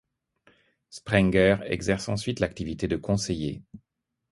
Sprenger exerce ensuite l'activité de conseiller.